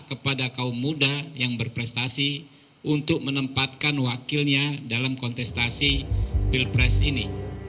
kepada kaum muda yang berprestasi untuk menempatkan wakilnya dalam kontestasi pilpres ini